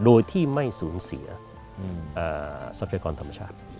โดยที่ไม่สูญเสียทรัพยากรธรรมชาติ